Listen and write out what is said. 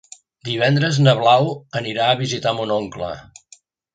Divendres na Blau anirà a visitar mon oncle.